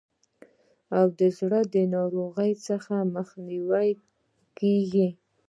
او د زړه د ناروغیو څخه مخنیوی کیږي.